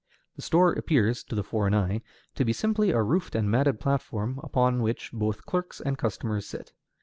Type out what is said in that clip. The store appears, to the foreign eye, to be simply a roofed and matted platform upon which both clerks and customers sit.